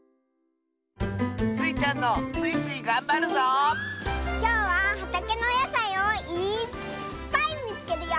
スイちゃんのきょうははたけのおやさいをいっぱいみつけるよ！